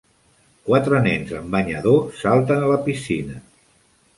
Quatre nens amb banyador salten a la piscina.